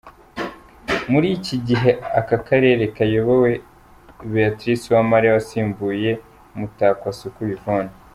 Muri iki gihe aka karere kayobowe Béatrice Uwamariya wasimbuye Mutakwasuku Yvonne.